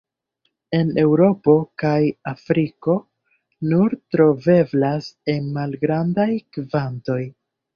En Eŭropo kaj Afriko nur troveblas en malgrandaj kvantoj.